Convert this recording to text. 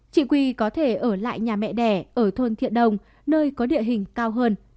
chị quy có thể ở lại nhà mẹ đẻ ở thôn thiện đồng nơi có địa hình cao hơn